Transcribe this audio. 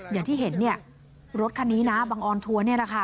อย่างที่เห็นเนี่ยรถคันนี้นะบังออนทัวร์นี่แหละค่ะ